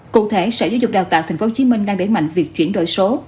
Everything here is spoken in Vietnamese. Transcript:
cụ thể sở giáo dục đào tạo tp hcm đang đẩy mạnh việc chuyển đổi số